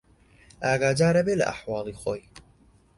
ئاگادار ئەبێ لە ئەحواڵی خۆی